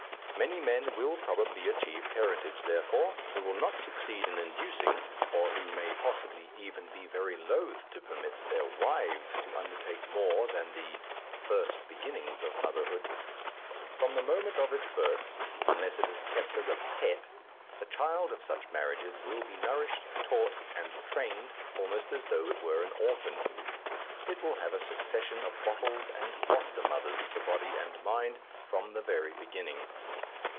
Many men will probably achieve parentage, therefore, who will not succeed in inducing, or who may possibly even be very loth to permit, their wives to undertake more than the first beginnings of motherhood. From the moment of its birth, unless it is kept as a pet, the child of such marriages will be nourished, taught, and trained almost as though it were an orphan, it will have a succession of bottles and foster mothers for body and mind from the very beginning.